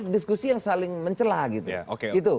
diskusi yang saling mencelah gitu